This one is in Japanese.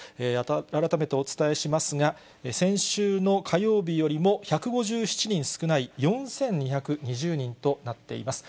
改めてお伝えしますが、先週の火曜日よりも１５７人少ない、４２２０人となっています。